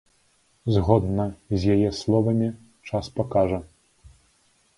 Згодна з яе словамі, час пакажа.